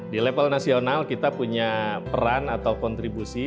di level nasional kita punya peran atau kontribusi